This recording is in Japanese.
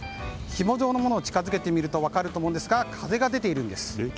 ひも状のものを近づけてみると分かると思いますが風が出ているんです。